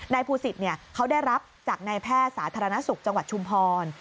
ภูศิษฐ์เขาได้รับจากนายแพทย์สาธารณสุขจังหวัดชุมพร